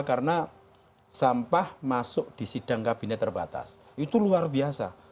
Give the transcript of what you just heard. karena sampah masuk di sidang kabinet terbatas itu luar biasa